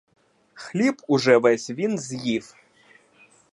Хліб уже весь він з'їв.